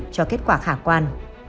cho kết quả khả quan